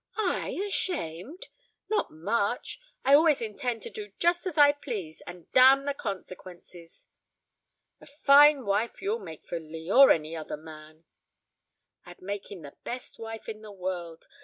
"I ashamed? Not much. I always intend to do just as I please and damn the consequences." "A fine wife you'd make for Lee or any other man." "I'd make him the best wife in the world.